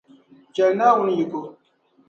Chɛli Naawuni yiko.